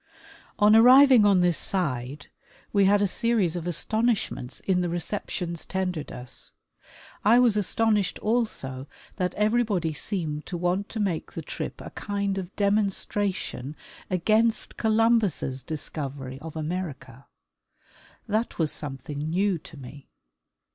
On arriving on this side we had a series of astonishments in the receptions tendered us. I was astonished also that every body seemed to want to make the trip a kind of demonstration against Columbus's discovery of America,. That was something new to me.